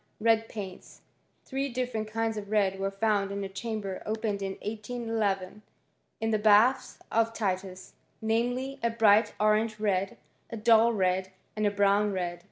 Red paints* Three different kinds of red found in a chamber opened in 1811, in the bat] Titus, namely, a bright orange red, a dull red, brown red.